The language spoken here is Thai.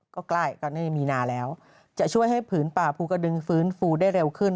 ก็ใกล้กันนี่มีนาแล้วจะช่วยให้ผืนป่าภูกระดึงฟื้นฟูได้เร็วขึ้น